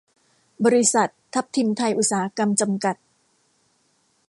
บริษัท ทับทิมไทยอุตสาหกรรม จำกัด